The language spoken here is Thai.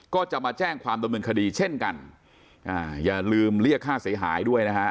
ก็จะมาแจ้งความดำเนินคดีเช่นกันอ่าอย่าลืมเรียกค่าเสียหายด้วยนะฮะ